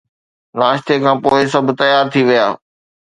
ناشتي کان پوءِ سڀ تيار ٿي ويا